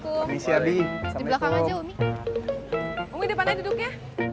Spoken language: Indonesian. umi depan aja duduknya